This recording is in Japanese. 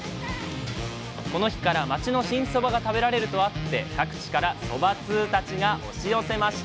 この日から町の新そばが食べられるとあって各地からそば通たちが押し寄せました。